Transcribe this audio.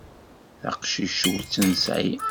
Taqcict ur tt-nesεi.